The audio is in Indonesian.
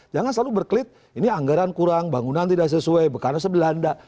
jangan selalu berklit ini anggaran kurang bangunan tidak sesuai bekasnya sebelah anda